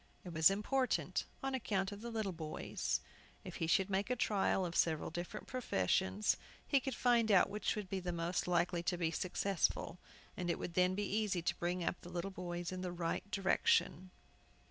It was important on account of the little boys. If he should make a trial of several different professions he could find out which would be the most likely to be successful, and it would then be easy to bring up the little boys in the right direction.